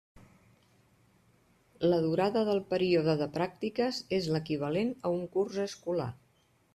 La durada del període de pràctiques és l'equivalent a un curs escolar.